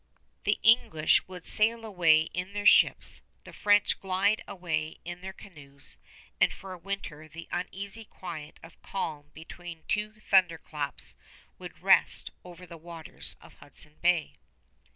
The English would sail away in their ships, the French glide away in their canoes; and for a winter the uneasy quiet of calm between two thunderclaps would rest over the waters of Hudson Bay.